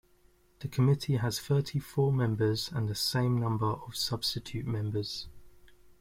The committee has thirty-four members and the same number of substitute members.